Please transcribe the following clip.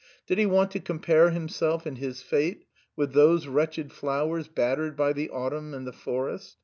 Did he want to compare himself and his fate with those wretched flowers battered by the autumn and the frost?